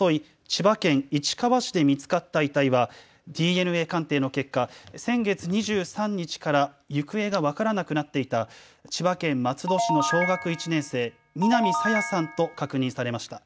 千葉県市川市で見つかった遺体はＤＮＡ鑑定の結果、先月２３日から行方が分からなくなっていた千葉県松戸市の小学１年生、南朝芽さんと確認されました。